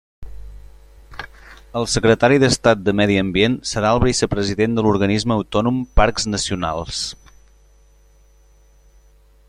El Secretari d'Estat de Medi ambient serà el vicepresident de l'Organisme Autònom Parcs Nacionals.